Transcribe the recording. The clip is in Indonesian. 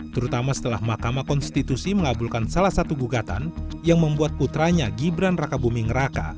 terutama setelah mahkamah konstitusi mengabulkan salah satu gugatan yang membuat putranya gibran raka buming raka